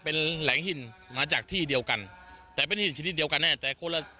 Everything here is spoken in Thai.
เป็นแหล่งหินมาจากที่เดียวกันแต่เป็นหินชนิดเดียวกันแน่แต่คนละ